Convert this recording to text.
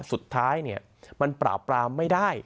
สุดท้ายมันปราบปรามไม่ได้